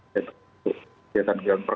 kita tetap mencari